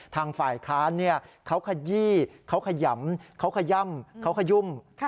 ทางฝ่ายค้านเขาขยี้เขาขยำเขาขย่ำเขาขยุ่ม